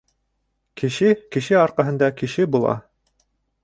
Кеше кеше арҡаһында кеше була.